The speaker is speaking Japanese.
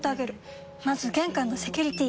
まず玄関のセキュリティ！